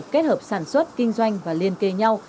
kết hợp sản xuất kinh doanh và liên kề nhau